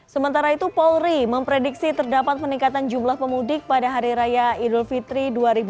sementara itu polri memprediksi terdapat peningkatan jumlah pemudik pada hari raya idul fitri dua ribu dua puluh